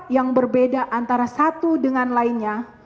yang berbeda antara satu dengan lainnya